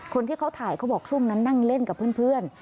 คนที่เขาถ่ายเขาบอกช่วงนั้นนั่งเล่นกับเพื่อน